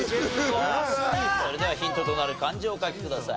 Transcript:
それではヒントとなる漢字をお書きください。